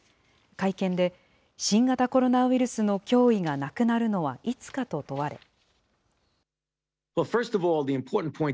会見で、新型コロナウイルスの脅威がなくなるのはいつかと問われ。